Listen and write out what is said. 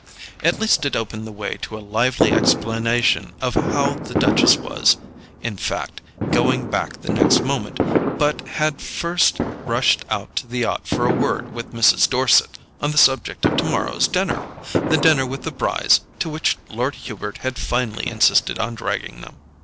At least it opened the way to a lively explanation of how the Duchess was, in fact, going back the next moment, but had first rushed out to the yacht for a word with Mrs. Dorset on the subject of tomorrow's dinner—the dinner with the Brys, to which Lord Hubert had finally insisted on dragging them.